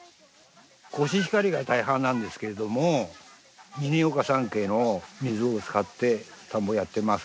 コシヒカリが大半なんですけれども嶺岡山系の水を使って田んぼやってますからね。